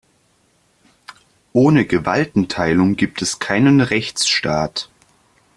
Ohne Gewaltenteilung gibt es keinen Rechtsstaat.